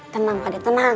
tenang pada tenang